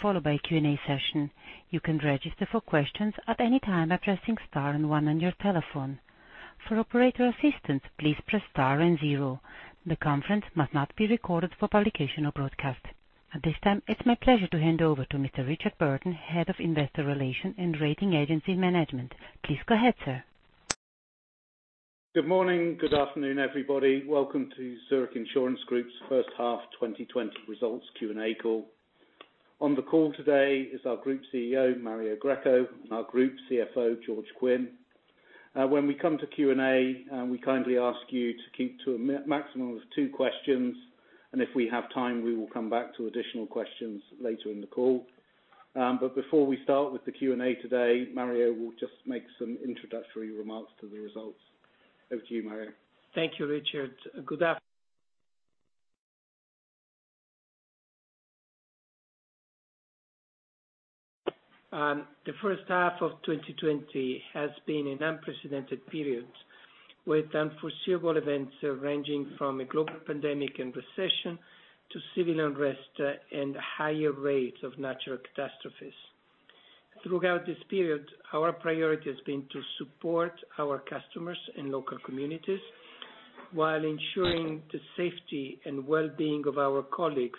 Followed by a Q&A session. You can register for questions at any time by pressing star and one on your telephone. For operator assistance, please press star and zero. The conference must not be recorded for publication or broadcast. At this time, it's my pleasure to hand over to Mr. Richard Burden, Head of Investor Relations and Rating Agency Management. Please go ahead, sir. Good morning. Good afternoon, everybody. Welcome to Zurich Insurance Group's H1 2020 results Q&A call. On the call today is our Group CEO, Mario Greco, and our Group CFO, George Quinn. When we come to Q&A, we kindly ask you to keep to a maximum of two questions, and if we have time, we will come back to additional questions later in the call. Before we start with the Q&A today, Mario will just make some introductory remarks to the results. Over to you, Mario. Thank you, Richard. The H1 of 2020 has been an unprecedented period, with unforeseeable events ranging from a global pandemic and recession to civil unrest and higher rates of natural catastrophes. Throughout this period, our priority has been to support our customers and local communities while ensuring the safety and well-being of our colleagues,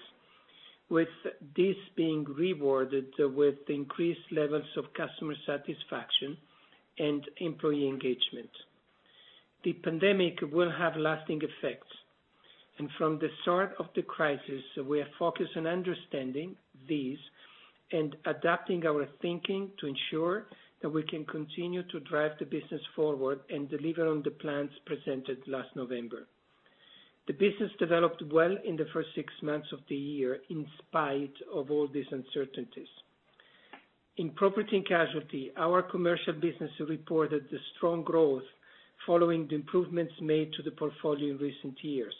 with this being rewarded with increased levels of customer satisfaction and employee engagement. The pandemic will have lasting effects, from the start of the crisis, we are focused on understanding these and adapting our thinking to ensure that we can continue to drive the business forward and deliver on the plans presented last November. The business developed well in the first six months of the year in spite of all these uncertainties. In Property and Casualty, our Commercial Insurance business reported a strong growth following the improvements made to the portfolio in recent years,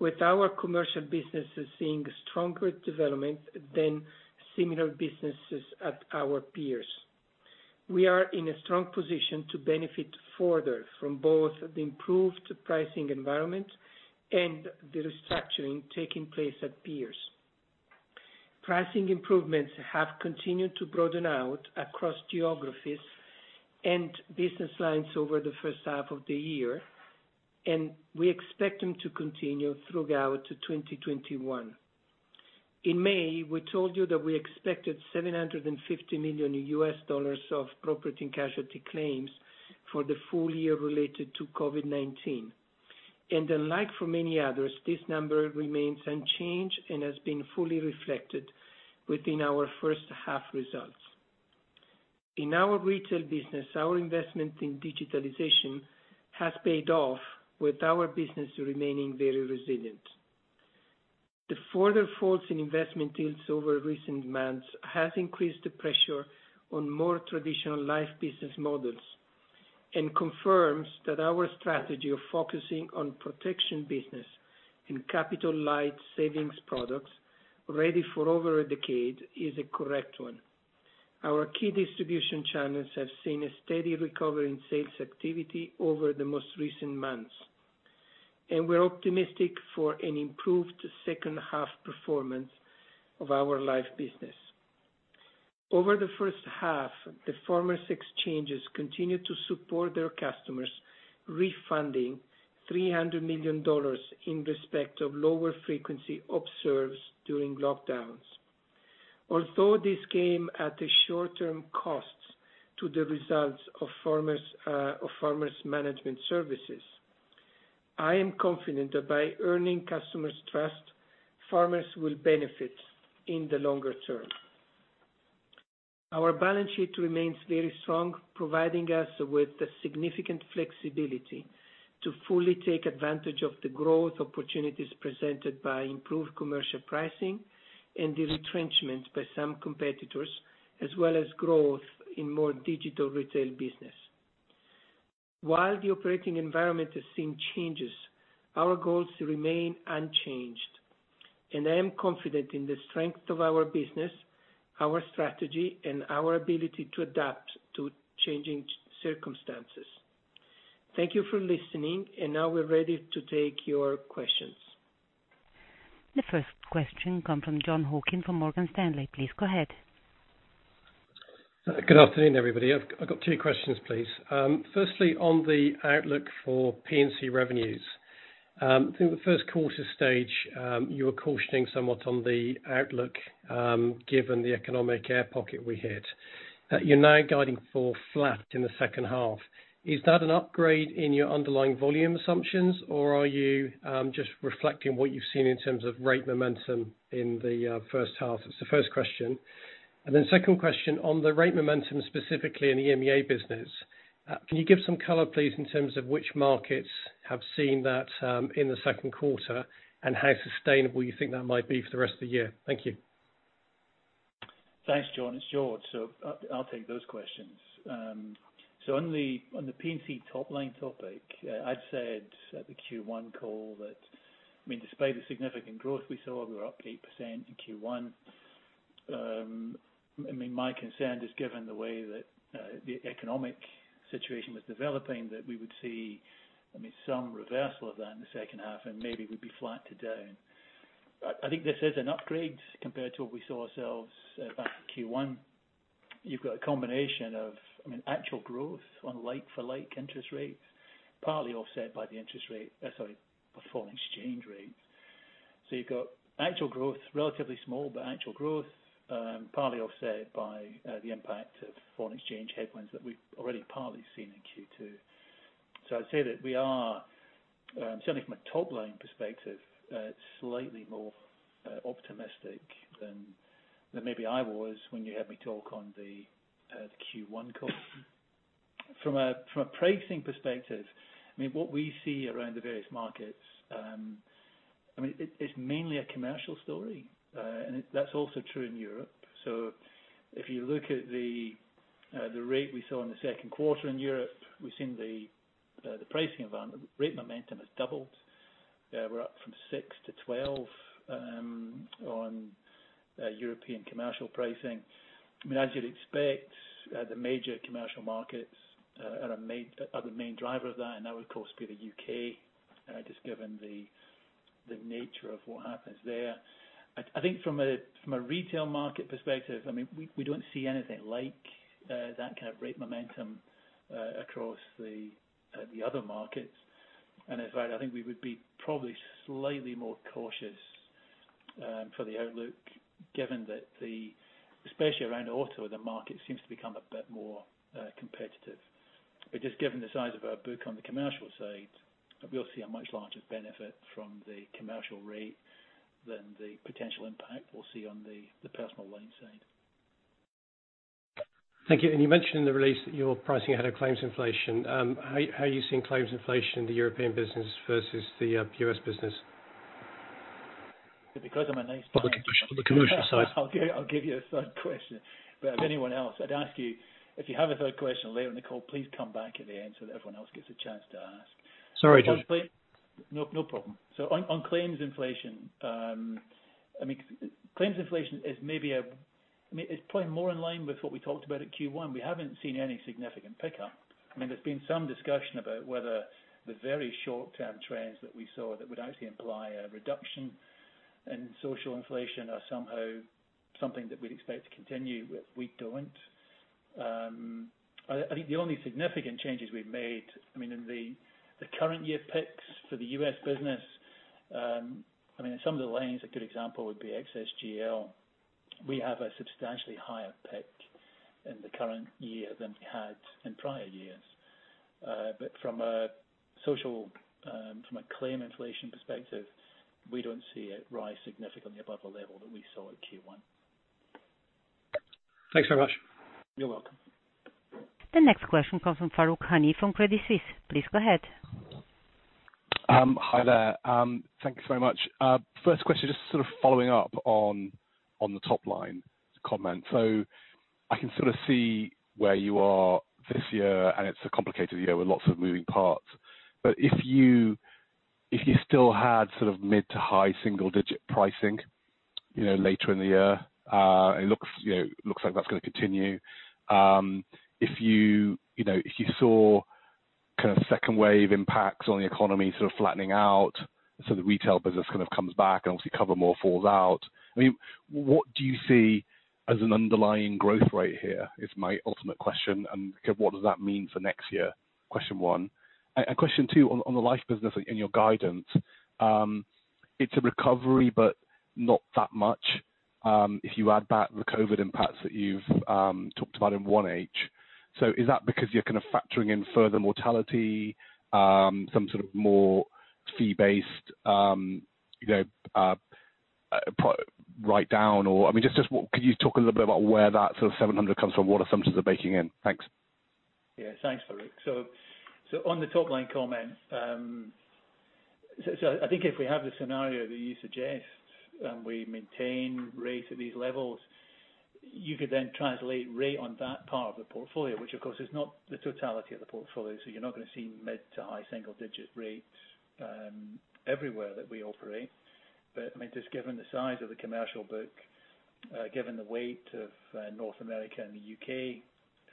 with our Commercial Insurance businesses seeing stronger development than similar businesses at our peers. We are in a strong position to benefit further from both the improved pricing environment and the restructuring taking place at peers. Pricing improvements have continued to broaden out across geographies and business lines over the H1 of the year. We expect them to continue throughout 2021. In May, we told you that we expected $750 million of Property and Casualty claims for the full year related to COVID-19. Unlike for many others, this number remains unchanged and has been fully reflected within our H1 results. In our retail business, our investment in digitalization has paid off, with our business remaining very resilient. The further falls in investment yields over recent months has increased the pressure on more traditional life business models and confirms that our strategy of focusing on protection business and capital light savings products ready for over a decade is a correct one. Our key distribution channels have seen a steady recovery in sales activity over the most recent months, and we're optimistic for an improved H2 performance of our life business. Over the H1, the Farmers Exchanges continued to support their customers, refunding $300 million in respect of lower frequency observed during lockdowns. Although this came at a short-term cost to the results of Farmers Management Services, I am confident that by earning customers' trust, Farmers will benefit in the longer term. Our balance sheet remains very strong, providing us with the significant flexibility to fully take advantage of the growth opportunities presented by improved commercial pricing and the retrenchment by some competitors, as well as growth in more digital retail business. While the operating environment has seen changes, our goals remain unchanged, and I am confident in the strength of our business, our strategy, and our ability to adapt to changing circumstances. Thank you for listening, and now we're ready to take your questions. The first question come from Jon Hocking from Morgan Stanley. Please go ahead. Good afternoon, everybody. I've got two questions, please. Firstly, on the outlook for P&C revenues. Through the first quarter stage, you were cautioning somewhat on the outlook, given the economic air pocket we hit. You're now guiding for flat in the H2. Is that an upgrade in your underlying volume assumptions, or are you just reflecting what you've seen in terms of rate momentum in the H1? That's the first question. Second question on the rate momentum, specifically in the EMEA business, can you give some color, please, in terms of which markets have seen that in the second quarter and how sustainable you think that might be for the rest of the year? Thank you. Thanks, Jon. It's George, so I'll take those questions. Only on the P&C top line topic, I'd said at the Q1 call that despite the significant growth we saw, we were up 8% in Q1. My concern is given the way that the economic situation was developing, that we would see some reversal of that in the H2, and maybe we'd be flat to down. I think this is an upgrade compared to what we saw ourselves back in Q1. You've got a combination of actual growth on like-for-like interest rates, partly offset by the foreign exchange rate. You've got actual growth, relatively small, but actual growth, partly offset by the impact of foreign exchange headwinds that we've already partly seen in Q2. I'd say that we are, certainly from a top-line perspective, slightly more optimistic than maybe I was when you had me talk on the Q1 call. From a pricing perspective, what we see around the various markets, it's mainly a commercial story. That's also true in Europe. If you look at the rate we saw in the second quarter in Europe, we've seen the pricing environment, the rate momentum has doubled. We're up from 6-12 on European commercial pricing. As you'd expect, the major commercial markets are the main driver of that, and that would, of course, be the U.K., just given the nature of what happens there. I think from a retail market perspective, we don't see anything like that kind of rate momentum across the other markets. As well, I think we would be probably slightly more cautious for the outlook, given that, especially around auto, the market seems to become a bit more competitive. Just given the size of our book on the commercial side, we'll see a much larger benefit from the commercial rate than the potential impact we'll see on the personal lines side. Thank you. You mentioned in the release that you're pricing ahead of claims inflation. How are you seeing claims inflation in the European business versus the U.S. business? Because I'm a nice guy. On the Commercial side. I'll give you a third question. If anyone else, I'd ask you, if you have a third question later in the call, please come back at the end so that everyone else gets a chance to ask. Sorry. No problem. On claims inflation. Claims inflation is probably more in line with what we talked about at Q1. We haven't seen any significant pickup. There's been some discussion about whether the very short-term trends that we saw that would actually imply a reduction in social inflation are somehow something that we'd expect to continue. We don't. I think the only significant changes we've made in the current year picks for the U.S. business, some of the lines, a good example would be excess GL. We have a substantially higher pick in the current year than we had in prior years. From a claim inflation perspective, we don't see it rise significantly above the level that we saw at Q1. Thanks very much. You're welcome. The next question comes from Farooq Hanif from Credit Suisse. Please go ahead. Hi there. Thanks very much. First question, just sort of following up on the top line comment. I can sort of see where you are this year, and it's a complicated year with lots of moving parts. If you still had sort of mid to high single-digit pricing later in the year, it looks like that's going to continue. If you saw second wave impacts on the economy sort of flattening out, so the retail business kind of comes back and obviously cover more falls out. What do you see as an underlying growth rate here, is my ultimate question, and what does that mean for next year? Question one. Question two, on the life business in your guidance. It's a recovery, but not that much if you add back the COVID impacts that you've talked about in H1. Is that because you're kind of factoring in further mortality, some sort of more fee based write down? Could you talk a little bit about where that sort of $700 comes from, what assumptions are baking in? Thanks. Thanks, Farooq. On the top line comment. I think if we have the scenario that you suggest, and we maintain rate at these levels, you could then translate rate on that part of the portfolio, which, of course, is not the totality of the portfolio. You're not going to see mid to high single digit rates everywhere that we operate. Just given the size of the Commercial book, given the weight of North America and the U.K.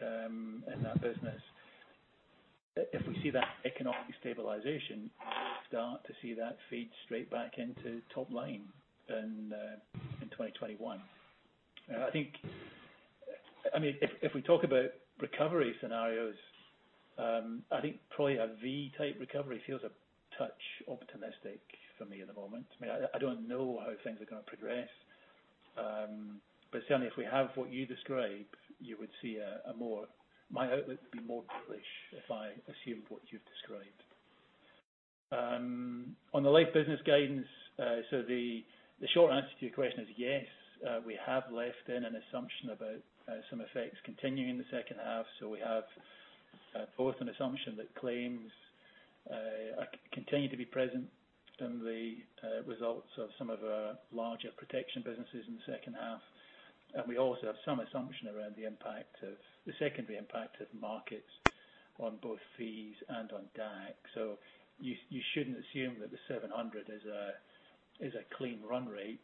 in that business. If we see that economic stabilization, we start to see that feed straight back into top line in 2021. If we talk about recovery scenarios, I think probably a V-type recovery feels a touch optimistic for me at the moment. I don't know how things are going to progress. Certainly, if we have what you describe, my outlook would be more bullish if I assumed what you've described. On the life business guidance. The short answer to your question is yes. We have left in an assumption about some effects continuing in the H2. We have both an assumption that claims continue to be present in the results of some of our larger protection businesses in the H2. We also have some assumption around the secondary impact of markets on both fees and on DAC. You shouldn't assume that the $700 is a clean run rate.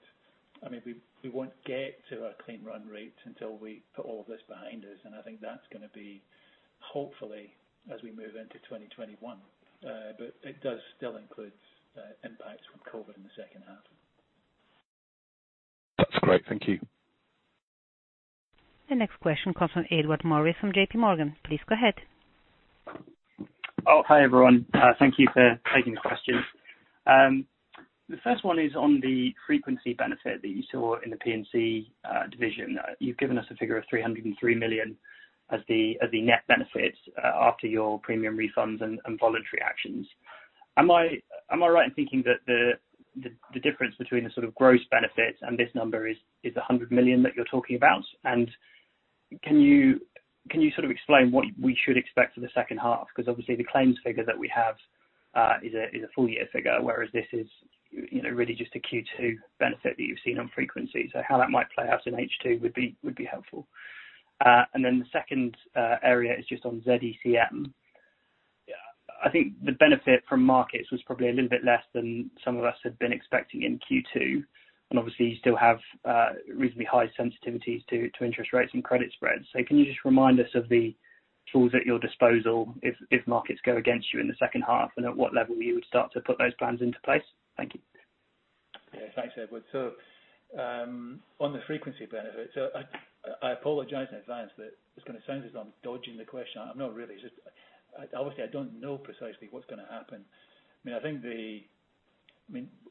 We won't get to our clean run rate until we put all this behind us, and I think that's going to be, hopefully, as we move into 2021. It does still include impacts from COVID in the H2. That's great. Thank you. The next question comes from Edward Morris from JP Morgan. Please go ahead. Hi, everyone. Thank you for taking the questions. The first one is on the frequency benefit that you saw in the P&C division. You've given us a figure of $303 million as the net benefit after your premium refunds and voluntary actions. Am I right in thinking that the difference between the sort of gross benefits and this number is $100 million that you're talking about? Can you explain what we should expect for the H2? Obviously the claims figure that we have is a full-year figure, whereas this is really just a Q2 benefit that you've seen on frequency. How that might play out in H2 would be helpful. The second area is just on Z-ECM. I think the benefit from markets was probably a little bit less than some of us had been expecting in Q2, and obviously you still have reasonably high sensitivities to interest rates and credit spreads. Can you just remind us of the tools at your disposal if markets go against you in the H2? At what level you would start to put those plans into place? Thank you. Yeah. Thanks, Edward. On the frequency benefit, I apologize in advance, but it's going to sound as if I'm dodging the question. I'm not really. Obviously, I don't know precisely what's going to happen.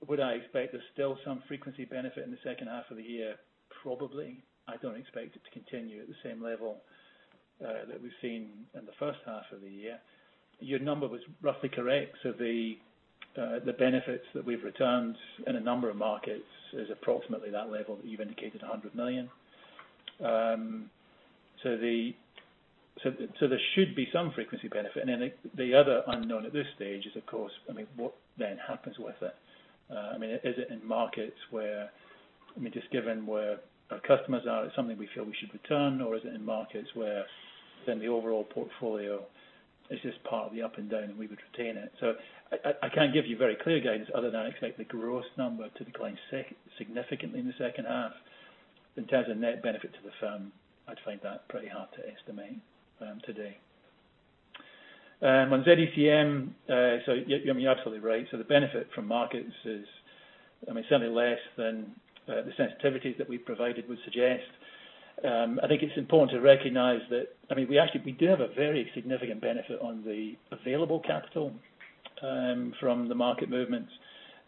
Would I expect there's still some frequency benefit in the H2 of the year? Probably. I don't expect it to continue at the same level that we've seen in the H1 of the year. Your number was roughly correct. The benefits that we've returned in a number of markets is approximately that level that you've indicated, $100 million. There should be some frequency benefit. The other unknown at this stage is, of course, what then happens with it? Is it in markets where, just given where our customers are, it's something we feel we should return, or is it in markets where then the overall portfolio is just part of the up and down, and we would retain it? I can't give you very clear guidance other than I expect the gross number to decline significantly in the H2. In terms of net benefit to the firm, I'd find that pretty hard to estimate today. On ZECM, you're absolutely right. The benefit from markets is certainly less than the sensitivities that we provided would suggest. I think it's important to recognize that we do have a very significant benefit on the available capital from the market movements.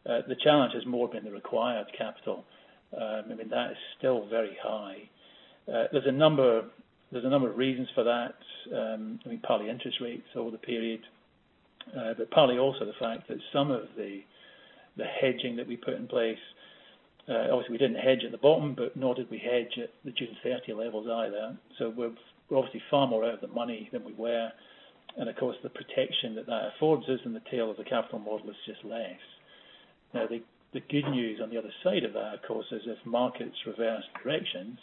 The challenge has more been the required capital. That is still very high. There's a number of reasons for that. Partly interest rates over the period, but partly also the fact that some of the hedging that we put in place, obviously we didn't hedge at the bottom, but nor did we hedge at the June 30 levels either. We're obviously far more out of the money than we were, and of course, the protection that that affords us in the tail of the capital model is just less. Now, the good news on the other side of that, of course, is if markets reverse directions,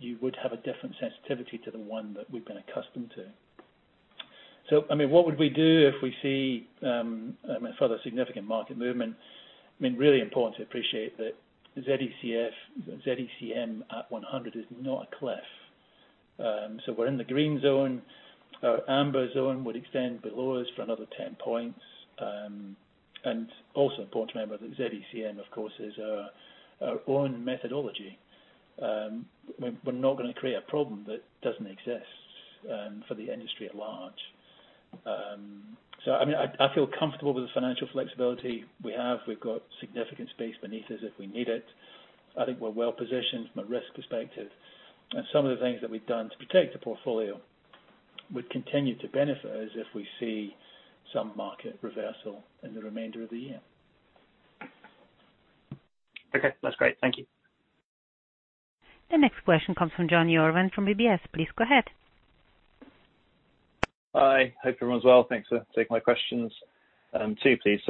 you would have a different sensitivity to the one that we've been accustomed to. What would we do if we see further significant market movement? Really important to appreciate that Z-ECM, ZECM at 100 is not a cliff. We're in the green zone. Our amber zone would extend below us for another 10 points. Also important to remember that ZECM, of course, is our own methodology. We're not going to create a problem that doesn't exist for the industry at large. I feel comfortable with the financial flexibility we have. We've got significant space beneath us if we need it. I think we're well positioned from a risk perspective. Some of the things that we've done to protect the portfolio would continue to benefit us if we see some market reversal in the remainder of the year. Okay. That's great. Thank you. The next question comes from Jonny Urwin from UBS. Please go ahead. Hi. Hope everyone's well. Thanks for taking my questions. Two, please.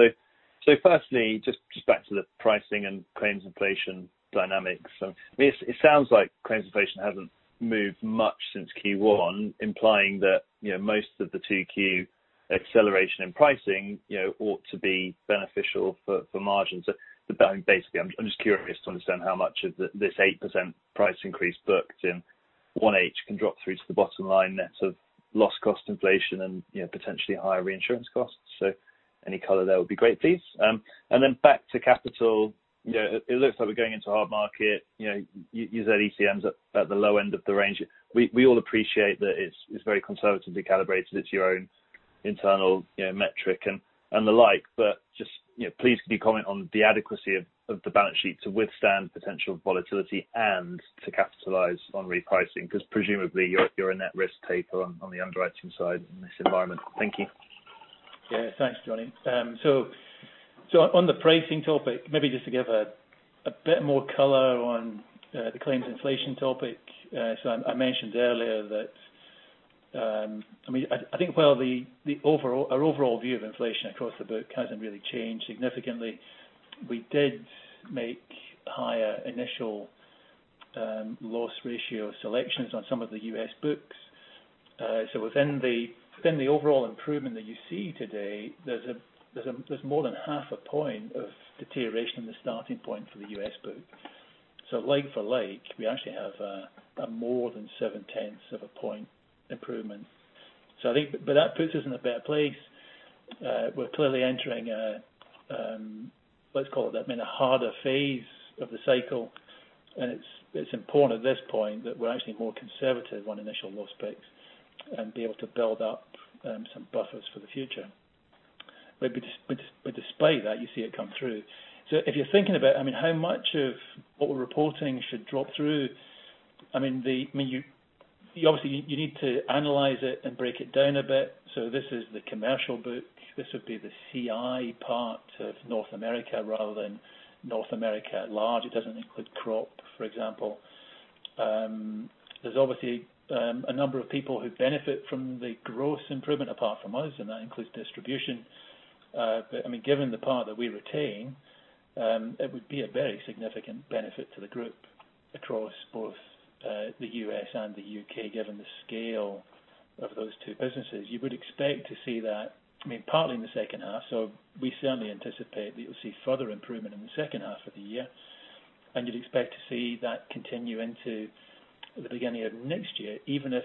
Firstly, just back to the pricing and claims inflation dynamics. It sounds like claims inflation hasn't moved much since Q1, implying that most of the 2Q acceleration in pricing ought to be beneficial for margins. Basically, I'm just curious to understand how much of this 8% price increase booked in H1 can drop through to the bottom line net of loss cost inflation and potentially higher reinsurance costs. Any color there would be great, please. Back to capital. It looks like we're going into a hard market, your Z-ECMs at the low end of the range. We all appreciate that it's very conservatively calibrated. It's your own internal metric and the like. Just please can you comment on the adequacy of the balance sheet to withstand potential volatility and to capitalize on repricing? Presumably you're a net risk taker on the underwriting side in this environment. Thank you. Thanks, Jonny. On the pricing topic, maybe just to give a bit more color on the claims inflation topic. I mentioned earlier that I think while our overall view of inflation across the book hasn't really changed significantly, we did make higher initial loss ratio selections on some of the U.S. books. Within the overall improvement that you see today, there's more than half a point of deterioration in the starting point for the U.S. book. Like for like, we actually have more than seven tenths of a point improvement. I think, that puts us in a better place. We're clearly entering a, let's call it, a harder phase of the cycle, and it's important at this point that we're actually more conservative on initial loss picks and be able to build up some buffers for the future. Despite that, you see it come through. If you're thinking about how much of what we're reporting should drop through, obviously you need to analyze it and break it down a bit. This is the commercial book. This would be the CI part of North America rather than North America at large. It doesn't include crop, for example. There's obviously a number of people who benefit from the gross improvement apart from us, and that includes distribution. Given the part that we retain, it would be a very significant benefit to the group across both the U.S. and the U.K., given the scale of those two businesses. You would expect to see that partly in the H1. We certainly anticipate that you'll see further improvement in the H2 of the year, and you'd expect to see that continue into the beginning of next year, even if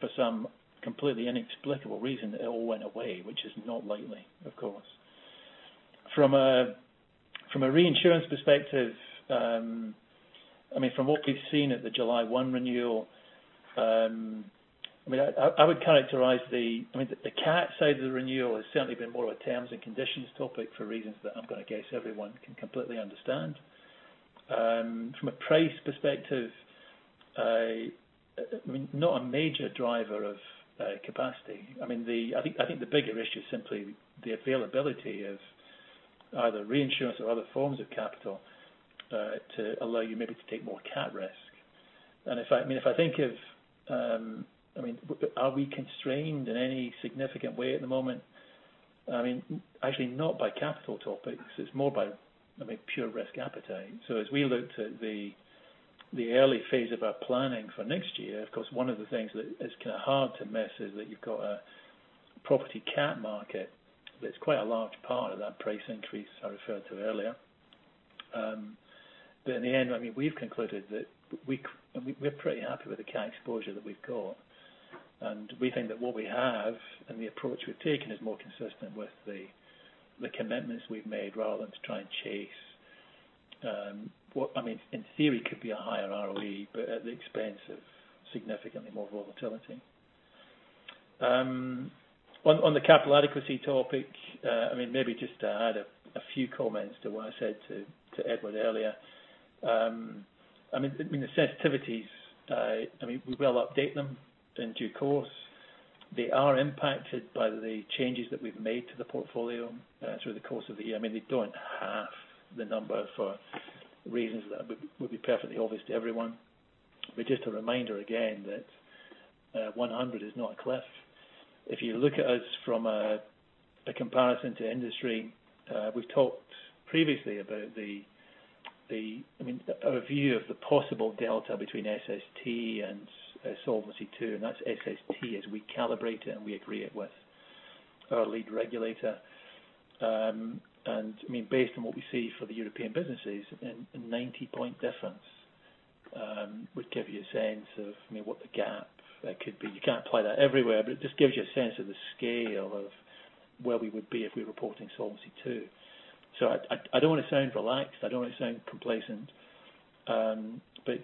for some completely inexplicable reason, it all went away, which is not likely, of course. From a reinsurance perspective, from what we've seen at the July 1 renewal, I would characterize the cat side of the renewal has certainly been more of a terms and conditions topic for reasons that I'm going to guess everyone can completely understand. From a price perspective, not a major driver of capacity. I think the bigger issue is simply the availability of either reinsurance or other forms of capital to allow you maybe to take more cat risk. If I think of, are we constrained in any significant way at the moment? Actually not by capital topics. It's more by pure risk appetite. As we look to the early phase of our planning for next year, of course, one of the things that is kind of hard to miss is that you've got a property cat market that's quite a large part of that price increase I referred to earlier. In the end, we've concluded that we're pretty happy with the cat exposure that we've got. We think that what we have and the approach we've taken is more consistent with the commitments we've made rather than to try and chase what, in theory, could be a higher ROE, but at the expense of significantly more volatility. On the capital adequacy topic, maybe just to add a few comments to what I said to Edward earlier. The sensitivities, we will update them in due course. They are impacted by the changes that we've made to the portfolio through the course of the year. They don't half the number for reasons that would be perfectly obvious to everyone. Just a reminder again, that 100 is not a cliff. If you look at us from a comparison to industry, we've talked previously about a review of the possible delta between SST and Solvency II, and that's SST as we calibrate it and we agree it with our lead regulator. Based on what we see for the European businesses, a 90 point difference would give you a sense of what the gap could be. You can't apply that everywhere, but it just gives you a sense of the scale of where we would be if we were reporting Solvency II. I don't want to sound relaxed. I don't want to sound complacent.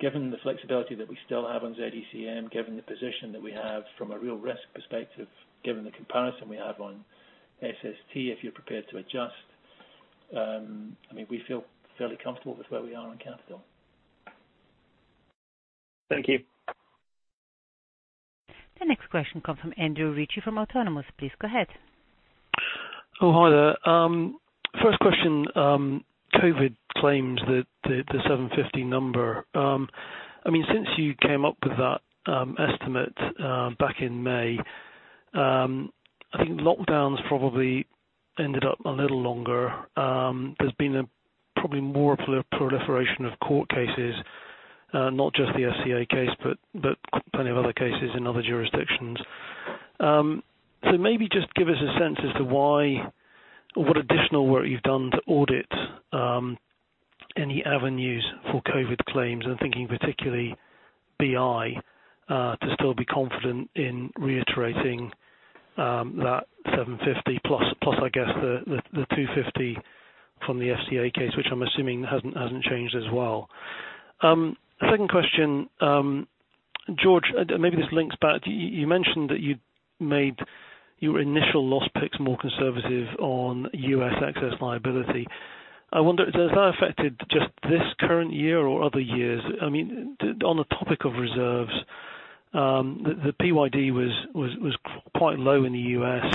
Given the flexibility that we still have on ZECM, given the position that we have from a real risk perspective, given the comparison we have on SST, if you're prepared to adjust, we feel fairly comfortable with where we are on capital. Thank you. The next question comes from Andrew Ritchie from Autonomous. Please go ahead. Hi there. First question. COVID claims, the $750. Since you came up with that estimate back in May, I think lockdowns probably ended up a little longer. There's been probably more proliferation of court cases, not just the FCA case, but plenty of other cases in other jurisdictions. Maybe just give us a sense as to why or what additional work you've done to audit any avenues for COVID claims. I'm thinking particularly BI to still be confident in reiterating that $750+, I guess the $250 from the FCA case, which I'm assuming hasn't changed as well. Second question. George, maybe this links back. You mentioned that you'd made your initial loss picks more conservative on U.S. excess liability. I wonder, has that affected just this current year or other years? On the topic of reserves, the PYD was quite low in the U.S.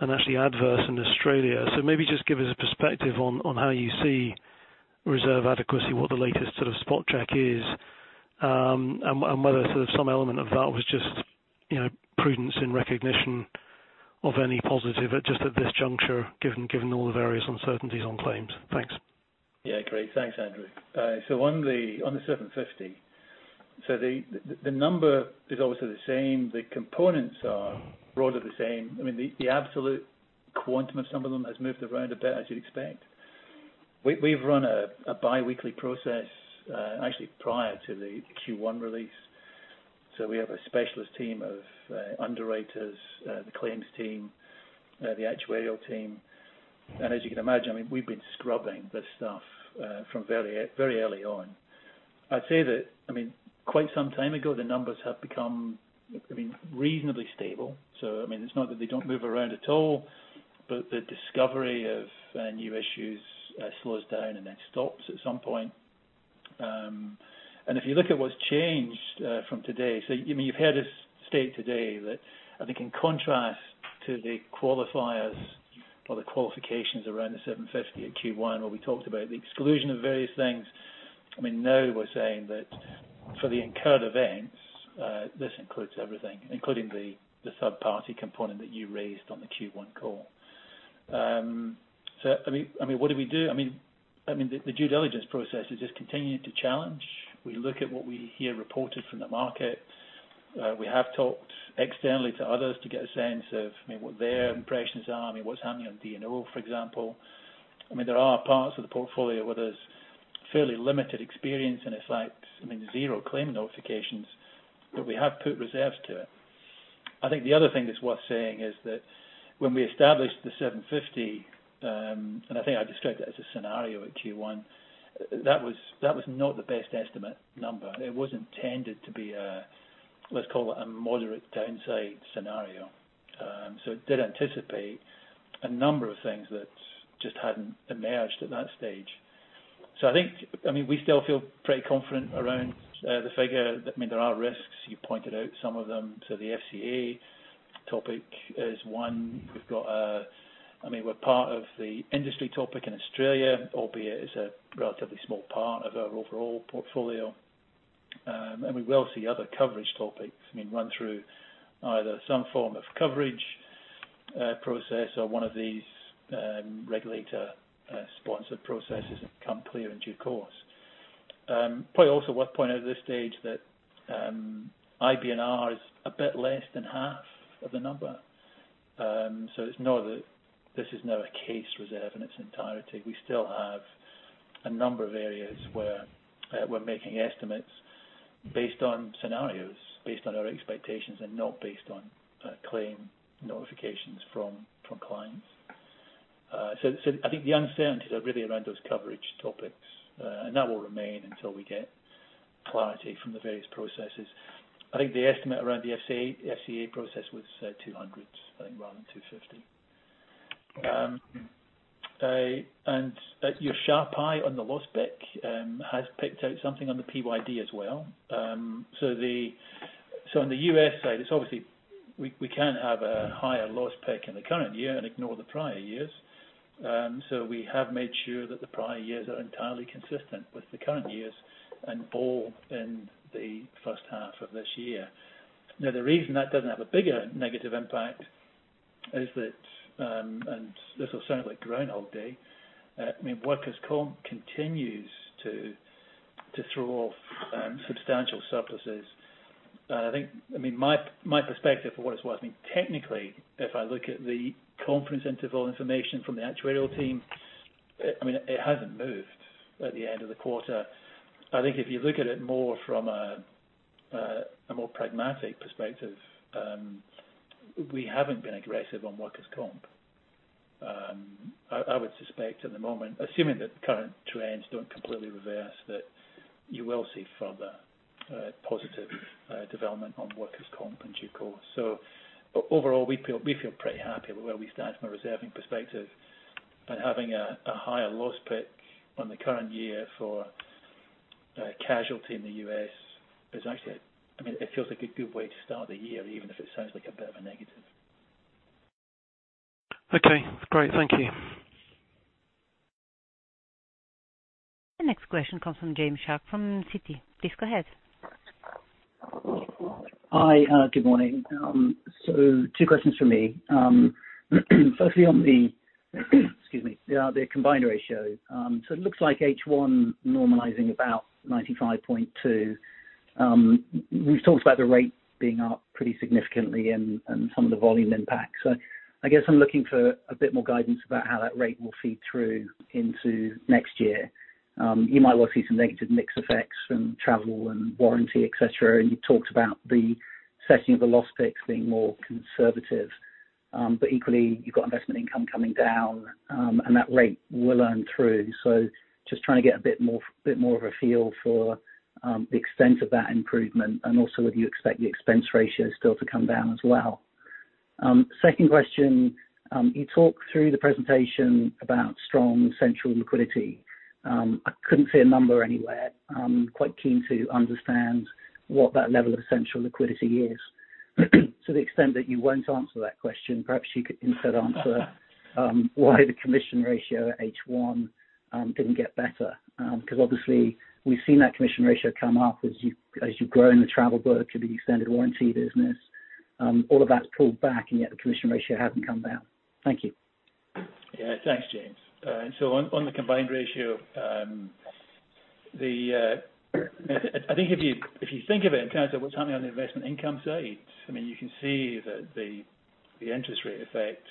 and actually adverse in Australia. Maybe just give us a perspective on how you see reserve adequacy, what the latest sort of spot check is, and whether sort of some element of that was just prudence in recognition of any positive just at this juncture, given all the various uncertainties on claims. Thanks. Thanks, Andrew. On the $750, the number is obviously the same. The components are broadly the same. The absolute quantum of some of them has moved around a bit as you'd expect. We've run a biweekly process actually prior to the Q1 release. We have a specialist team of underwriters, the claims team, the actuarial team. As you can imagine, we've been scrubbing this stuff from very early on. I'd say that quite some time ago, the numbers have become reasonably stable. It's not that they don't move around at all, but the discovery of new issues slows down and then stops at some point. If you look at what's changed from today, you've heard us state today that I think in contrast to the qualifiers or the qualifications around the $750 at Q1, where we talked about the exclusion of various things. We are saying that for the incurred events, this includes everything, including the subparty component that you raised on the Q1 call. What do we do? The due diligence process is just continuing to challenge. We look at what we hear reported from the market. We have talked externally to others to get a sense of what their impressions are, what is happening on D&O, for example. There are parts of the portfolio where there is fairly limited experience, and it is like zero claim notifications, we have put reserves to it. I think the other thing that is worth saying is that when we established the $750, I think I described it as a scenario at Q1, that was not the best estimate number. It was intended to be a, let us call it a moderate downside scenario. It did anticipate a number of things that just hadn't emerged at that stage. I think we still feel pretty confident around the figure. There are risks. You pointed out some of them. The FCA topic is one. We're part of the industry topic in Australia, albeit it's a relatively small part of our overall portfolio. We will see other coverage topics run through either some form of coverage process or one of these regulator sponsored processes that come clear in due course. Probably also worth pointing out at this stage that IBNR is a bit less than half of the number. It's not that this is now a case reserve in its entirety. We still have a number of areas where we're making estimates based on scenarios, based on our expectations, and not based on claim notifications from clients. I think the uncertainties are really around those coverage topics, and that will remain until we get clarity from the various processes. I think the estimate around the FCA process was $200, I think, rather than $250. Your sharp eye on the loss pick has picked out something on the PYD as well. On the U.S. side, we can't have a higher loss pick in the current year and ignore the prior years. We have made sure that the prior years are entirely consistent with the current years and bore in the H1 of this year. The reason that doesn't have a bigger negative impact is that, and this will sound like a Groundhog Day, workers' comp continues to throw off substantial surpluses. My perspective for what it's worth, technically, if I look at the conference interval information from the actuarial team, it hasn't moved at the end of the quarter. I think if you look at it more from a more pragmatic perspective, we haven't been aggressive on workers' comp. I would suspect at the moment, assuming that the current trends don't completely reverse, that you will see further positive development on workers' comp in due course. Overall, we feel pretty happy with where we stand from a reserving perspective, and having a higher loss pick on the current year for casualty in the U.S., it feels like a good way to start the year, even if it sounds like a bit of a negative. Okay, great. Thank you. The next question comes from James Shuck from Citi. Please go ahead. Hi. Good morning. Two questions from me. Firstly, on the, excuse me, the combined ratio. It looks like H1 normalizing about 95.2%. We've talked about the rate being up pretty significantly and some of the volume impact. I guess I'm looking for a bit more guidance about how that rate will feed through into next year. You might well see some negative mix effects from travel and warranty, et cetera, and you talked about the setting of the loss picks being more conservative. Equally, you've got investment income coming down, and that rate will earn through. Just trying to get a bit more of a feel for the extent of that improvement and also whether you expect the expense ratio still to come down as well. Second question, you talk through the presentation about strong central liquidity. I couldn't see a number anywhere. I'm quite keen to understand what that level of central liquidity is. To the extent that you won't answer that question, perhaps you could instead answer why the commission ratio at H1 didn't get better. Obviously we've seen that commission ratio come up as you've grown the travel book and the extended warranty business. All of that's pulled back, and yet the commission ratio hasn't come down. Thank you. Thanks, James. On the combined ratio, I think if you think of it in terms of what's happening on the investment income side, you can see that the interest rate effect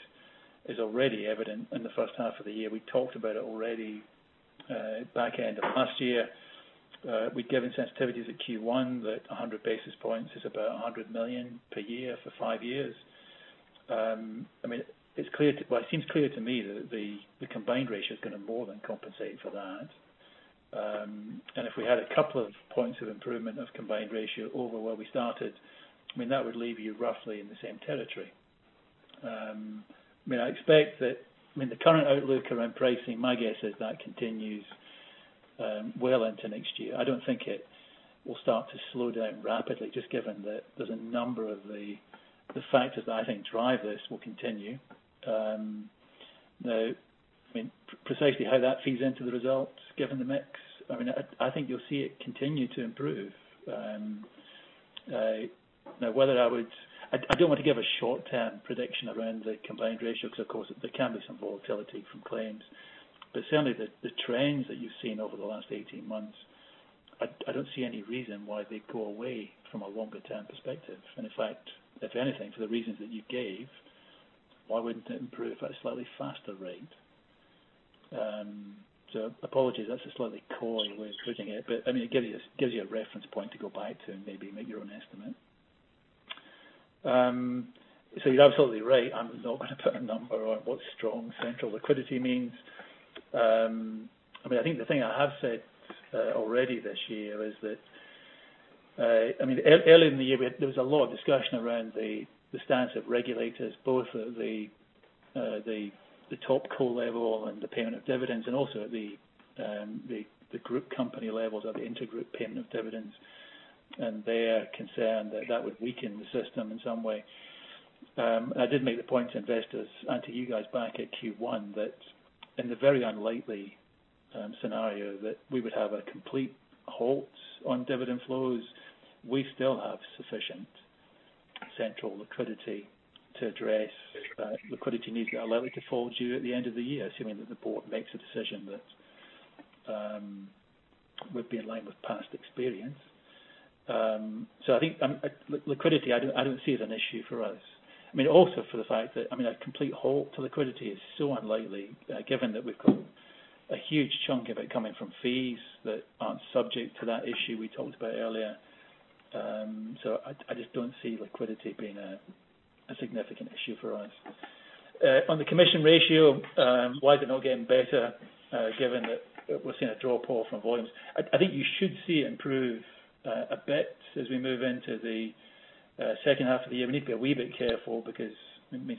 is already evident in the H1 of the year. We talked about it already back end of last year. We'd given sensitivities at Q1 that 100 basis points is about $100 million per year for five years. It seems clear to me that the combined ratio is going to more than compensate for that. If we had a couple of points of improvement of combined ratio over where we started, that would leave you roughly in the same territory. I expect that the current outlook around pricing, my guess is that continues well into next year. I don't think it will start to slow down rapidly, just given that there's a number of the factors that I think drive this will continue. Precisely how that feeds into the results, given the mix, I think you'll see it continue to improve. I don't want to give a short-term prediction around the combined ratio because, of course, there can be some volatility from claims. Certainly, the trends that you've seen over the last 18 months, I don't see any reason why they'd go away from a longer-term perspective. In fact, if anything, for the reasons that you gave, why wouldn't it improve at a slightly faster rate? Apologies, that's a slightly coy way of putting it. It gives you a reference point to go back to and maybe make your own estimate. You're absolutely right. I'm not going to put a number on what strong central liquidity means. I think the thing I have said already this year is that, early in the year, there was a lot of discussion around the stance of regulators, both at the Topco level and the payment of dividends and also the group company levels of intergroup payment of dividends, and their concern that that would weaken the system in some way. I did make the point to investors and to you guys back at Q1 that in the very unlikely scenario that we would have a complete halt on dividend flows, we still have sufficient central liquidity to address liquidity needs that are likely to fall due at the end of the year, assuming that the board makes a decision that would be in line with past experience. I think liquidity, I don't see as an issue for us. Also for the fact that a complete halt to liquidity is so unlikely, given that we've got a huge chunk of it coming from fees that aren't subject to that issue we talked about earlier. I just don't see liquidity being a significant issue for us. On the commission ratio, why is it not getting better, given that we're seeing a draw pull from volumes? I think you should see it improve a bit as we move into the H1 of the year. We need to be a wee bit careful because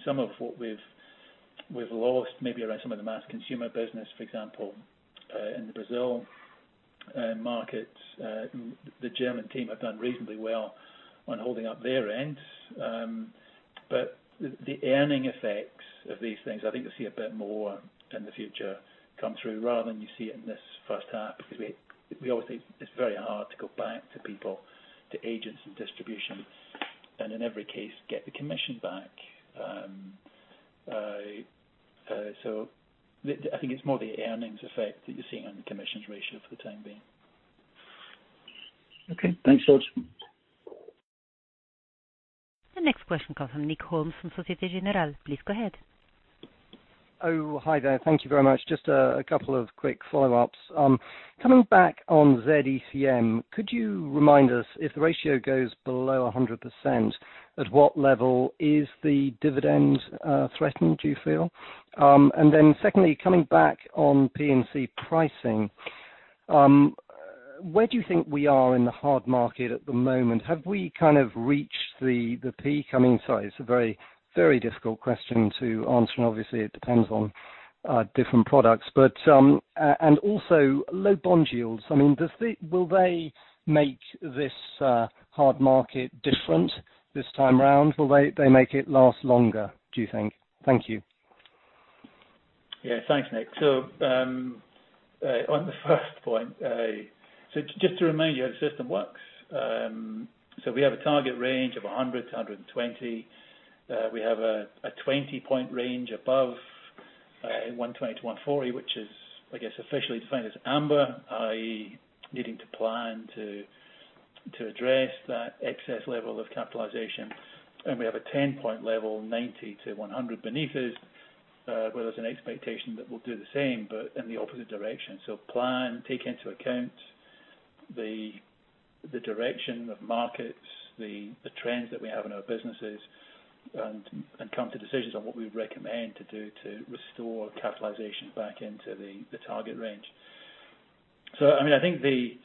some of what we've lost, maybe around some of the mass consumer business, for example, in the Brazil market. The German team have done reasonably well on holding up their end. The earning effects of these things, I think you'll see a bit more in the future come through rather than you see it in this H1, because obviously it's very hard to go back to people, to agents and distribution, and in every case, get the commission back. I think it's more the earnings effect that you're seeing on the commissions ratio for the time being. Okay. Thanks, George. The next question comes from Nick Holmes from Societe Generale. Please go ahead. Hi there. Thank you very much. Just a couple of quick follow-ups. Coming back on Z-ECM, could you remind us if the ratio goes below 100%, at what level is the dividend threatened, do you feel? Secondly, coming back on P&C pricing, where do you think we are in the hard market at the moment? Have we kind of reached the peak? Sorry, it's a very difficult question to answer, obviously it depends on different products. Also low bond yields. Will they make this hard market different this time around? Will they make it last longer, do you think? Thank you. Thanks, Nick. On the first point, just to remind you how the system works. We have a target range of 100-120. We have a 20-point range above, 120-140, which is, I guess, officially defined as amber, i.e., needing to plan to address that excess level of capitalization. We have a 10-point level, 90-100 beneath it, where there's an expectation that we'll do the same, but in the opposite direction. Plan, take into account the direction of markets, the trends that we have in our businesses, and come to decisions on what we recommend to do to restore capitalization back into the target range. I think the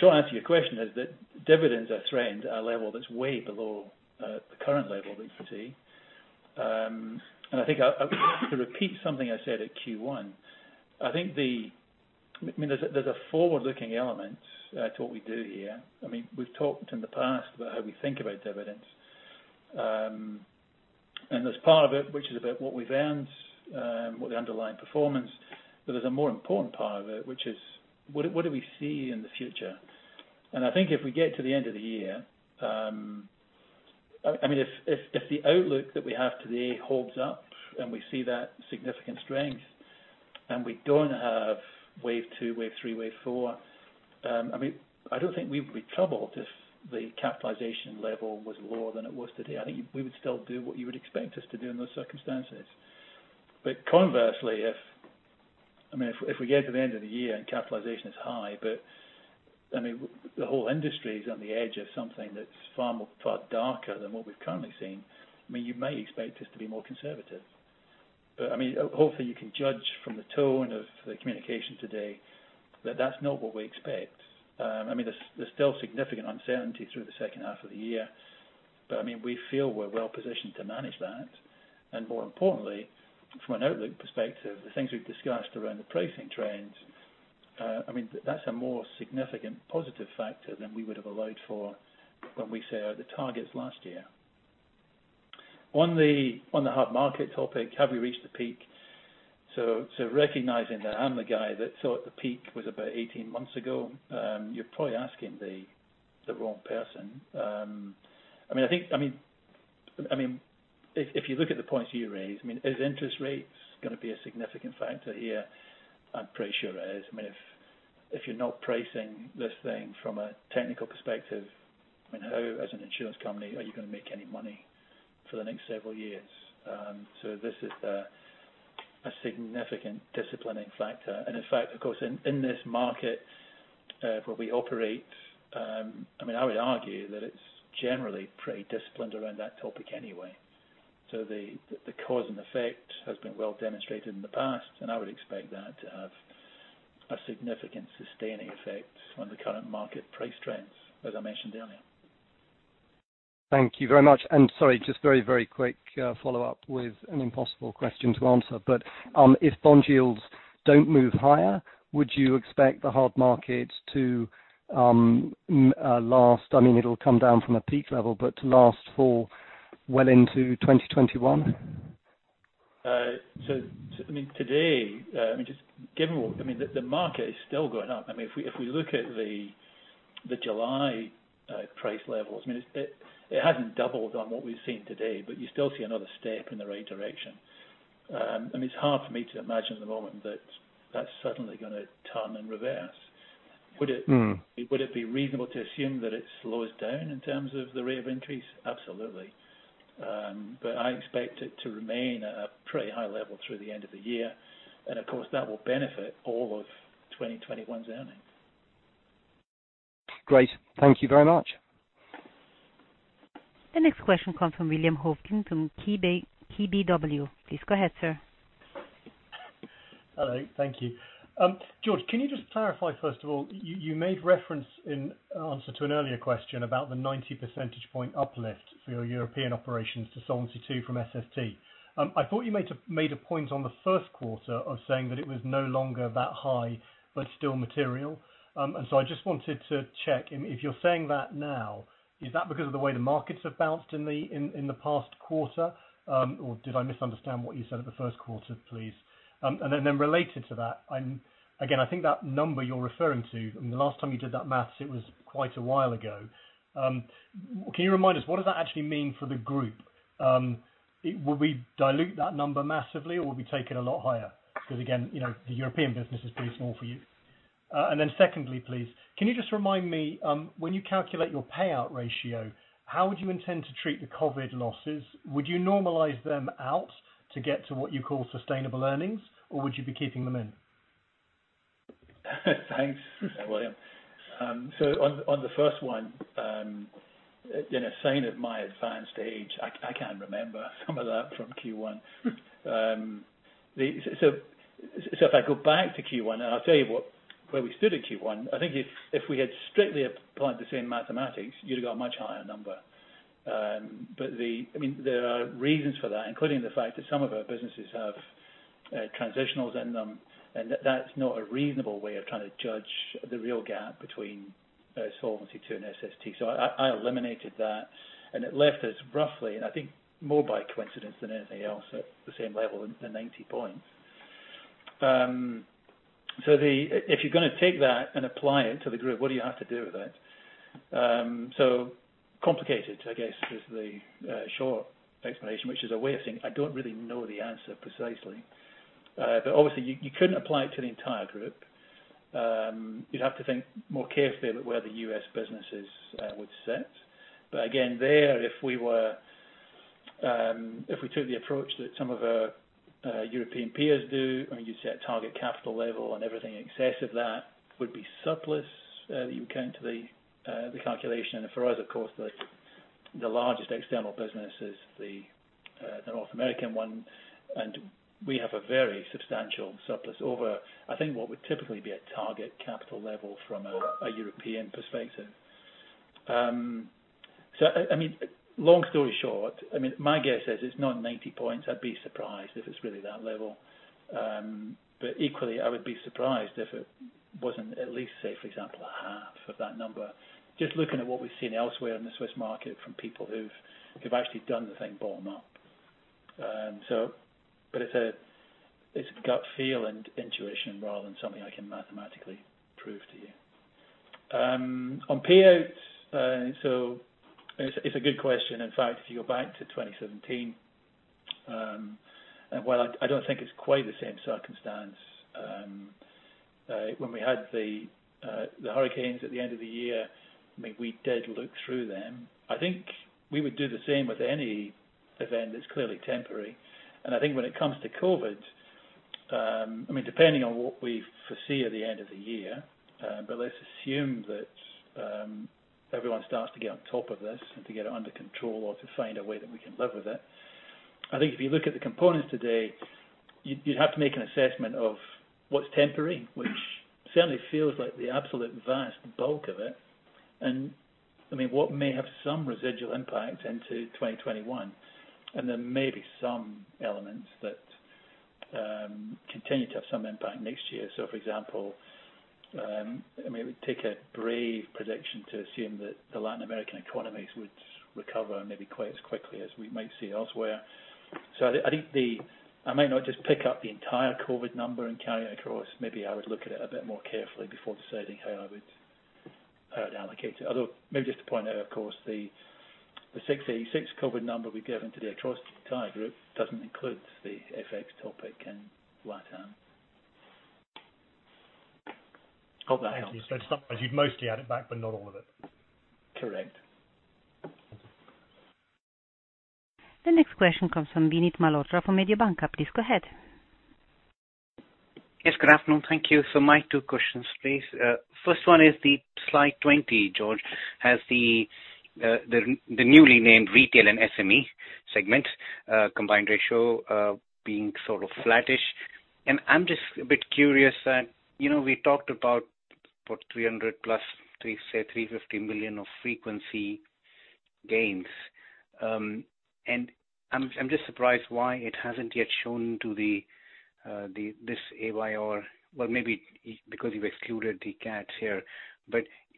short answer to your question is that dividends are threatened at a level that's way below the current level that you see. I think I have to repeat something I said at Q1. There's a forward-looking element to what we do here. We've talked in the past about how we think about dividends. There's part of it, which is about what we've earned, what the underlying performance, but there's a more important part of it, which is what do we see in the future? I think if we get to the end of the year, if the outlook that we have today holds up and we see that significant strength, and we don't have wave two, wave three, wave four, I don't think we would be troubled if the capitalization level was lower than it was today. I think we would still do what you would expect us to do in those circumstances. Conversely, if we get to the end of the year and capitalization is high, but the whole industry is on the edge of something that's far more, far darker than what we've currently seen, you may expect us to be more conservative. Hopefully you can judge from the tone of the communication today that that's not what we expect. There's still significant uncertainty through the H2 of the year. We feel we're well positioned to manage that. More importantly, from an outlook perspective, the things we've discussed around the pricing trends, that's a more significant positive factor than we would have allowed for when we set out the targets last year. On the hard market topic, have you reached the peak? Recognizing that I'm the guy that thought the peak was about 18 months ago, you're probably asking the wrong person. If you look at the points you raised, is interest rates going to be a significant factor here? I'm pretty sure it is. If you're not pricing this thing from a technical perspective, how as an insurance company are you going to make any money for the next several years? This is a significant disciplining factor. In fact, of course, in this market where we operate, I would argue that it's generally pretty disciplined around that topic anyway. The cause and effect has been well demonstrated in the past, and I would expect that to have a significant sustaining effect on the current market price trends, as I mentioned earlier. Thank you very much. Sorry, just very quick follow-up with an impossible question to answer. If bond yields don't move higher, would you expect the hard market, it'll come down from a peak level, but to last for well into 2021? Today, the market is still going up. If we look at the July price levels, it hasn't doubled on what we've seen today, but you still see another step in the right direction. It's hard for me to imagine at the moment that that's suddenly going to turn and reverse. Would it be reasonable to assume that it slows down in terms of the rate of increase? Absolutely. I expect it to remain at a pretty high level through the end of the year, and of course, that will benefit all of 2021's earnings. Great. Thank you very much. The next question comes from William Hawkins from KBW. Please go ahead, sir. Hello. Thank you. George, can you just clarify, first of all, you made reference in answer to an earlier question about the 90 percentage point uplift for your European operations to Solvency II from SST. I thought you made a point on the first quarter of saying that it was no longer that high, but still material. I just wanted to check, if you're saying that now, is that because of the way the markets have bounced in the past quarter? Did I misunderstand what you said at the first quarter, please? Related to that, again, I think that number you're referring to, the last time you did that math, it was quite a while ago. Can you remind us, what does that actually mean for the group? Will we dilute that number massively or will we take it a lot higher? Again, the European business is pretty small for you. Secondly, please, can you just remind me, when you calculate your payout ratio, how would you intend to treat the COVID losses? Would you normalize them out to get to what you call sustainable earnings, or would you be keeping them in? Thanks, William. On the first one, in a sign of my advanced age, I can't remember some of that from Q1. If I go back to Q1, and I'll tell you where we stood at Q1, I think if we had strictly applied the same mathematics, you'd have got a much higher number. There are reasons for that, including the fact that some of our businesses have transitionals in them, and that's not a reasonable way of trying to judge the real gap between Solvency II and SST. I eliminated that, and it left us roughly, and I think more by coincidence than anything else, at the same level as the 90 points. If you're going to take that and apply it to the group, what do you have to do with it? Complicated, I guess, is the short explanation, which is a way of saying, I don't really know the answer precisely. Obviously, you couldn't apply it to the entire group. You'd have to think more carefully about where the U.S. businesses would sit. Again, there, if we took the approach that some of our European peers do, you'd set a target capital level and everything in excess of that would be surplus that you would count to the calculation. For us, of course, the largest external business is the North American one, and we have a very substantial surplus over, I think, what would typically be a target capital level from a European perspective. Long story short, my guess is it's not 90 points. I'd be surprised if it's really that level. Equally, I would be surprised if it wasn't at least, say, for example, half of that number. Just looking at what we've seen elsewhere in the Swiss market from people who've actually done the thing bottom up. It's a gut feel and intuition rather than something I can mathematically prove to you. On payouts, it's a good question. In fact, if you go back to 2017, while I don't think it's quite the same circumstance, when we had the hurricanes at the end of the year, we did look through them. I think we would do the same with any event that's clearly temporary. I think when it comes to COVID, depending on what we foresee at the end of the year, but let's assume that everyone starts to get on top of this and to get it under control or to find a way that we can live with it. I think if you look at the components today, you'd have to make an assessment of what's temporary, which certainly feels like the absolute vast bulk of it. What may have some residual impact into 2021, and there may be some elements that continue to have some impact next year. For example, it would take a brave prediction to assume that the Latin American economies would recover maybe quite as quickly as we might see elsewhere. I think I might not just pick up the entire COVID number and carry it across. Maybe I would look at it a bit more carefully before deciding how I would allocate it. Although, maybe just to point out, of course, the 66 COVID number we give into the across the entire group doesn't include the FX topic in LatAm. Hope that helps. In summary, you'd mostly add it back, but not all of it. Correct. The next question comes from Vinit Malhotra from Mediobanca. Please go ahead. Yes. Good afternoon. Thank you. My two questions, please. First one is the slide 20, George, has the newly named retail and SME segment combined ratio being sort of flattish. I'm just a bit curious that we talked about what, $300 million plus, say, $350 million of frequency gains. I'm just surprised why it hasn't yet shown to this AY or well, maybe because you've excluded the CAT here.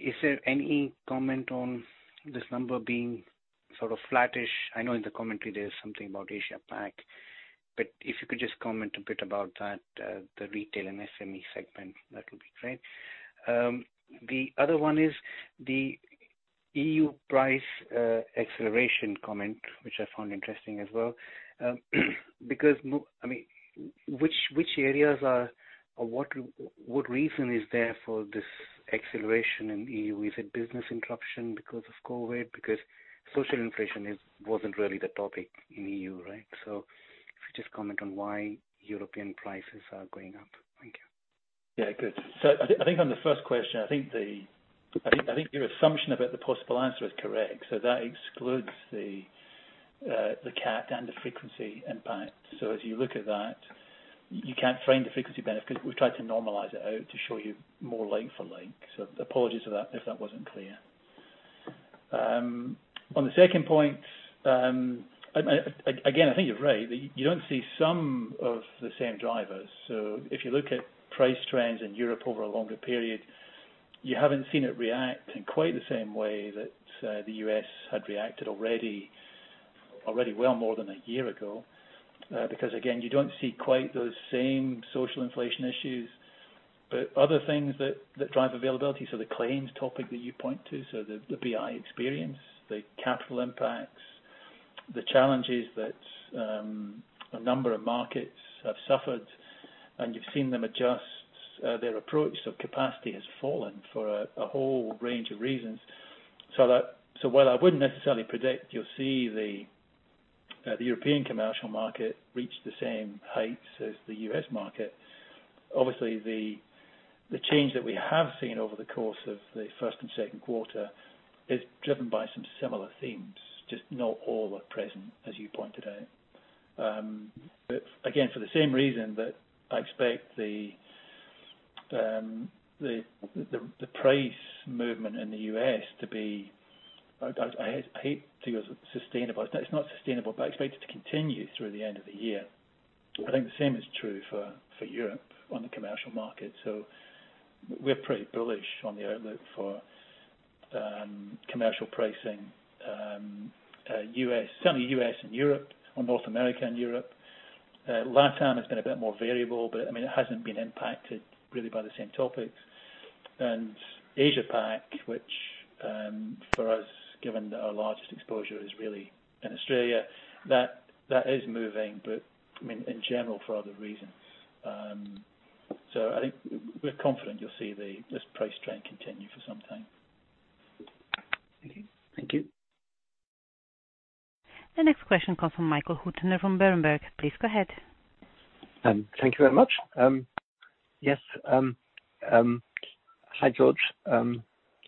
Is there any comment on this number being sort of flattish? I know in the commentary there's something about Asia Pac. If you could just comment a bit about that, the retail and SME segment, that would be great. The other one is the E.U. price acceleration comment, which I found interesting as well. Which areas are, or what reason is there for this acceleration in E.U.? Is it business interruption because of COVID-19? Because social inflation wasn't really the topic in EU, right? If you could just comment on why European prices are going up. Thank you. Yeah, good. I think on the first question, I think your assumption about the possible answer is correct. That excludes the CAT and the frequency impact. As you look at that, you can't frame the frequency benefit. We've tried to normalize it out to show you more like for like. Apologies for that if that wasn't clear. On the second point, again, I think you're right. You don't see some of the same drivers. If you look at price trends in Europe over a longer period, you haven't seen it react in quite the same way that the U.S. had reacted already well more than a year ago. Because again, you don't see quite those same social inflation issues. Other things that drive availability, so the claims topic that you point to, so the BI experience, the capital impacts, the challenges that a number of markets have suffered, and you've seen them adjust their approach. Capacity has fallen for a whole range of reasons. While I wouldn't necessarily predict you'll see the European commercial market reach the same heights as the U.S. market. Obviously, the change that we have seen over the course of the first and second quarter is driven by some similar themes, just not all are present, as you pointed out. Again, for the same reason that I expect the price movement in the U.S. to be, I hate to use sustainable. It's not sustainable, but I expect it to continue through the end of the year. I think the same is true for Europe on the commercial market. We're pretty bullish on the outlook for commercial pricing, certainly U.S. and Europe or North America and Europe. LatAm has been a bit more variable, but it hasn't been impacted really by the same topics. Asia Pac, which for us, given that our largest exposure is really in Australia, that is moving, but in general, for other reasons. I think we're confident you'll see this price trend continue for some time. Thank you. The next question comes from Michael Huttner from Berenberg. Please go ahead. Thank you very much. Yes. Hi, George.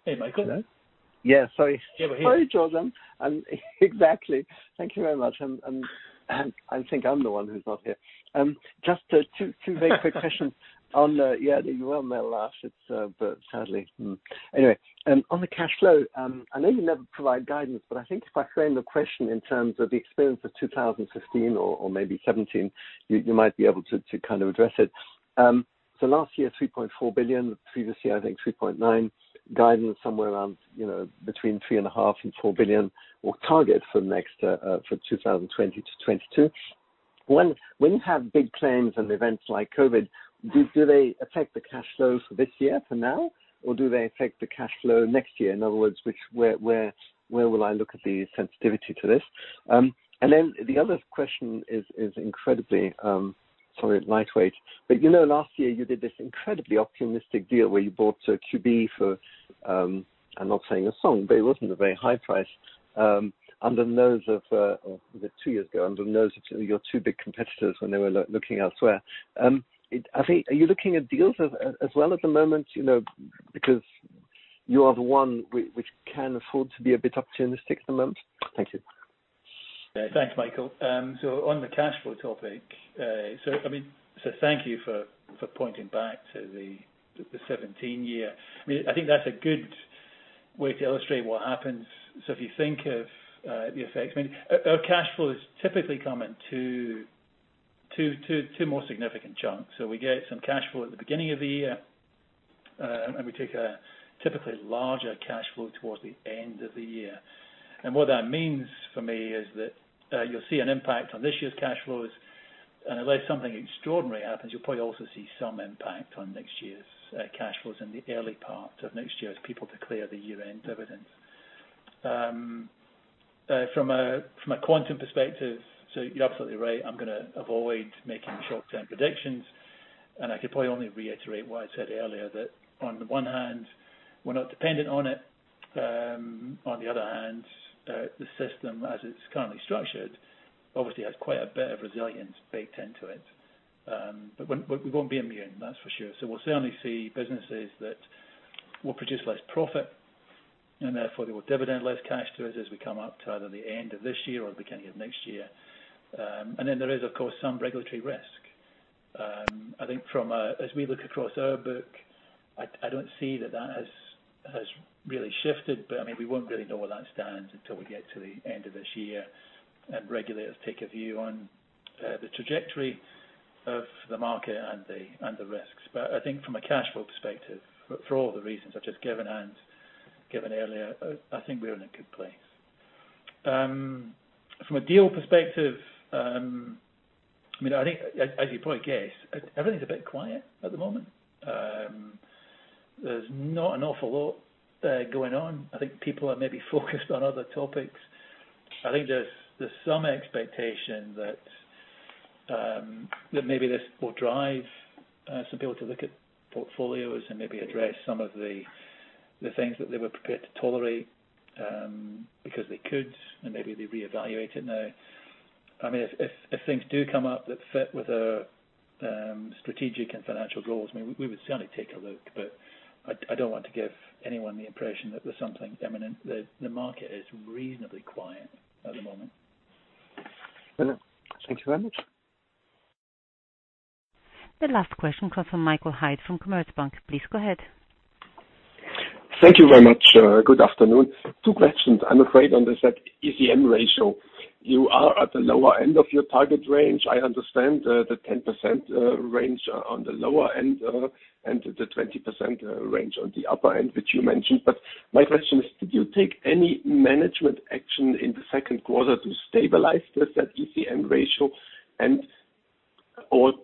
Hey, Michael. Yeah. Sorry. Yeah, we're here. Sorry, George. Exactly. Thank you very much. I think I'm the one who's not here. Just two very quick questions on the Yeah, you are a bit last, but sadly. Anyway, on the cash flow, I know you never provide guidance, but I think if I frame the question in terms of the experience of 2016 or maybe 2017, you might be able to kind of address it. Last year, $3.4 billion. Previously, I think $3.9 billion. Guidance somewhere around between $3.5 billion and $4 billion or target for 2020 to 2022. When you have big claims and events like COVID-19, do they affect the cash flow for this year, for now, or do they affect the cash flow next year? In other words, where will I look at the sensitivity to this? Then the other question is incredibly, sorry, lightweight, but last year you did this incredibly optimistic deal where you bought QBE for, I am not saying a song, but it wasn't a very high price, was it two years ago, under the nose of your two big competitors when they were looking elsewhere. Are you looking at deals as well at the moment, because you are the one which can afford to be a bit opportunistic at the moment? Thank you. Thanks, Michael. On the cash flow topic, thank you for pointing back to the 2017 year. I think that's a good way to illustrate what happens. If you think of the effects, our cash flow is typically coming to two more significant chunks. We get some cash flow at the beginning of the year, and we take a typically larger cash flow towards the end of the year. What that means for me is that you'll see an impact on this year's cash flows, and unless something extraordinary happens, you'll probably also see some impact on next year's cash flows in the early part of next year as people declare the year-end dividends. From a quantum perspective, so you're absolutely right, I'm going to avoid making short-term predictions, and I could probably only reiterate what I said earlier, that on the one hand, we're not dependent on it. On the other hand, the system as it's currently structured, obviously has quite a bit of resilience baked into it. We won't be immune, that's for sure. We'll certainly see businesses that will produce less profit, and therefore they will dividend less cash to us as we come up to either the end of this year or the beginning of next year. There is, of course, some regulatory risk. I think as we look across our book, I don't see that that has really shifted. We won't really know where that stands until we get to the end of this year and regulators take a view on the trajectory of the market and the risks. I think from a cash flow perspective, for all the reasons I've just given and given earlier, I think we're in a good place. From a deal perspective, as you probably guess, everything's a bit quiet at the moment. There's not an awful lot going on. I think people are maybe focused on other topics. I think there's some expectation that maybe this will drive some people to look at portfolios and maybe address some of the things that they were prepared to tolerate, because they could, and maybe they reevaluate it now. If things do come up that fit with our strategic and financial goals, we would certainly take a look. I don't want to give anyone the impression that there's something imminent. The market is reasonably quiet at the moment. Brilliant. Thank you very much. The last question comes from Michael Haid from Commerzbank. Please go ahead. Thank you very much. Good afternoon. Two questions. I'm afraid on the ZECM ratio. You are at the lower end of your target range, I understand, the 10% range on the lower end and the 20% range on the upper end, which you mentioned. My question is, did you take any management action in the second quarter to stabilize the ZECM ratio?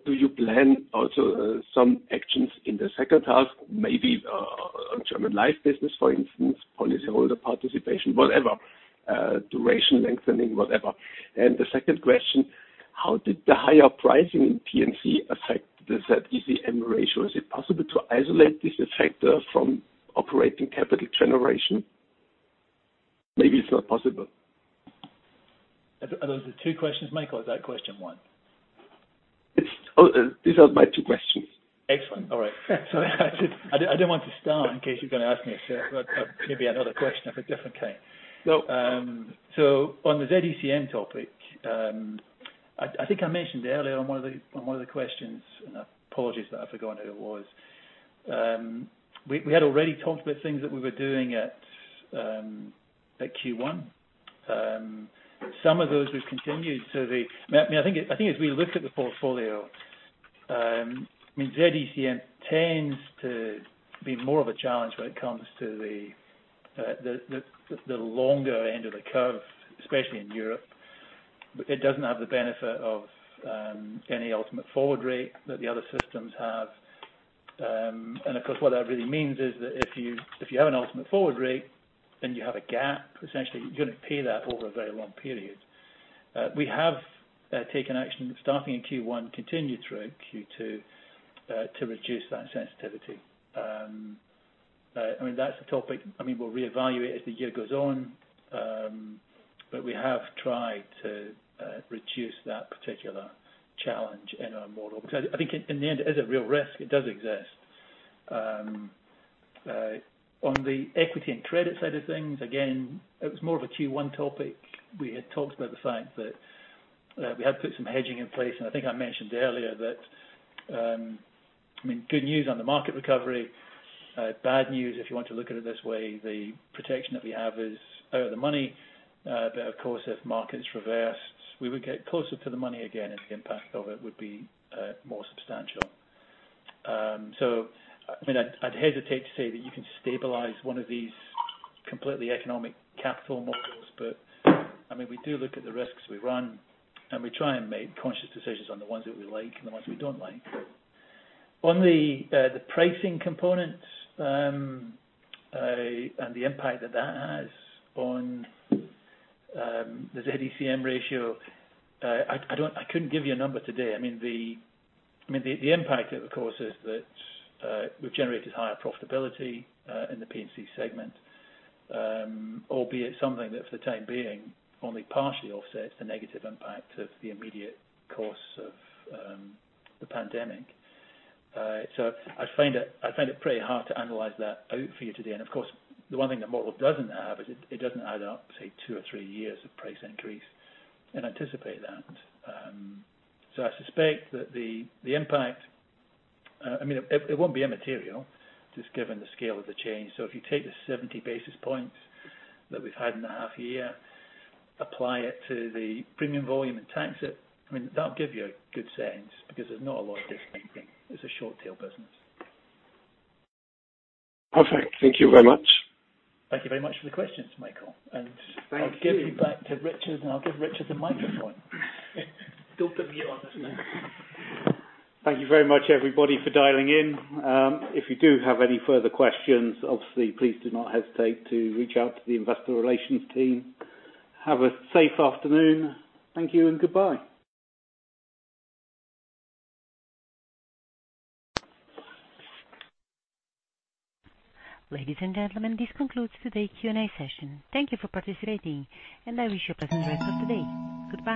Do you plan also some actions in the H2, maybe on German life business, for instance, policyholder participation, whatever, duration lengthening, whatever? The second question, how did the higher pricing in P&C affect the ZECM ratio? Is it possible to isolate this effect from operating capital generation? Maybe it's not possible. Are those the two questions, Michael, or is that question one? These are my two questions. Excellent. All right. Sorry, I didn't want to start in case you were going to ask me maybe another question of a different kind. No. On the ZECM topic, I think I mentioned earlier on one of the questions, and apologies that I've forgotten who it was. Some of those we've continued. I think as we looked at the portfolio, ZECM tends to be more of a challenge when it comes to the longer end of the curve, especially in Europe. It doesn't have the benefit of any ultimate forward rate that the other systems have. Of course, what that really means is that if you have an ultimate forward rate and you have a gap, essentially, you're going to pay that over a very long period. We have taken action, starting in Q1, continued through Q2, to reduce that sensitivity. That's a topic we'll reevaluate as the year goes on. We have tried to reduce that particular challenge in our model, because I think in the end, it is a real risk. It does exist. On the equity and credit side of things, again, it was more of a Q1 topic. We had talked about the fact that we had put some hedging in place. I think I mentioned earlier that good news on the market recovery. Bad news, if you want to look at it this way, the protection that we have is out of the money. Of course, if markets reversed, we would get closer to the money again. The impact of it would be more substantial. I'd hesitate to say that you can stabilize one of these completely economic capital models. We do look at the risks we run, and we try and make conscious decisions on the ones that we like and the ones we don't like. On the pricing component, and the impact that that has on the ZECM ratio, I couldn't give you a number today. The impact of course, is that we've generated higher profitability in the P&C segment, albeit something that for the time being, only partially offsets the negative impact of the immediate course of the pandemic. I find it pretty hard to analyze that out for you today. Of course, the one thing the model doesn't have is it doesn't add up, say, two or three years of price increase and anticipate that. I suspect that the impact, it won't be immaterial, just given the scale of the change. If you take the 70 basis points that we've had in a half year, apply it to the premium volume and tax it, that'll give you a good sense, because there's not a lot of distinct thing. It's a short-tail business. Perfect. Thank you very much. Thank you very much for the questions, Michael. Thank you. I'll give you back to Richard, and I'll give Richard the microphone. Don't put me on the spot. Thank you very much, everybody, for dialing in. If you do have any further questions, obviously, please do not hesitate to reach out to the investor relations team. Have a safe afternoon. Thank you and goodbye. Ladies and gentlemen, this concludes today's Q&A session. Thank you for participating, and I wish you a pleasant rest of the day. Goodbye.